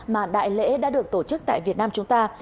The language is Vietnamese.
mà đại lễ đã được tổ chức tại việt nam chúng ta